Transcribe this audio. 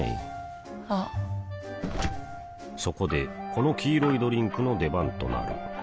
あっそこでこの黄色いドリンクの出番となる